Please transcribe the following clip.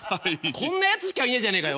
こんなやつしかいねえじゃねえかよ。